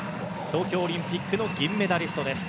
東京オリンピックの銀メダリストです。